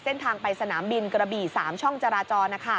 เส้นทางไปสนามบินกระบี่๓ช่องจราจร